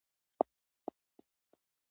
که تاسو پوهېږئ، نو ولې نه وایاست؟